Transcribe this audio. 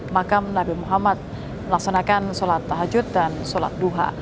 makam nabi muhammad melaksanakan sholat tahajud dan sholat duha